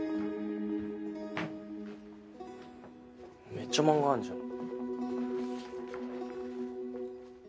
めっちゃ漫画あるじゃん。